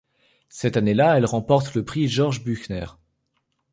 Cette année-là, elle remporte le Prix Georg-Büchner.